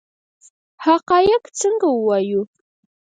حقایق څنګه ووایو؟